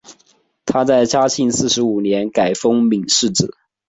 他在嘉靖四十五年改封岷世子。